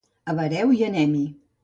Avareu i anem-hi.